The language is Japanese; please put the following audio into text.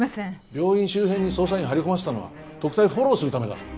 病院周辺に捜査員を張り込ませたのは特対をフォローするためだ。